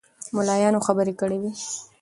ملایانو خبرې کړې وې.